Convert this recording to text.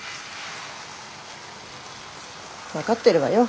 分かってるわよ。